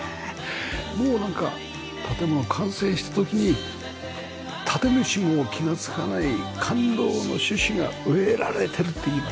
もうなんか建物完成した時に建主も気がつかない感動の種子が植えられてるっていいますか。